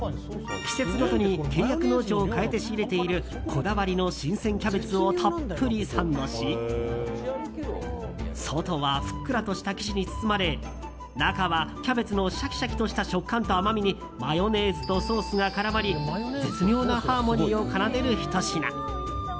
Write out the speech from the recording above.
季節ごとに契約農場を変えて仕入れているこだわりの新鮮キャベツをたっぷりサンドし外はふっくらとした生地に包まれ中はキャベツのシャキシャキとした食感と甘みにマヨネーズとソースが絡まり絶妙なハーモニーを奏でるひと品。